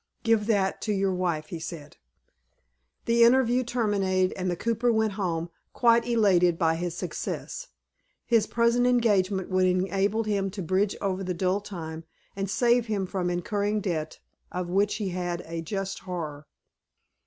"Give that to your wife," he said. The interview terminated, and the cooper went home, quite elated by his success. His present engagement would enable him to bridge over the dull time, and save him from incurring debt, of which he had a just horror.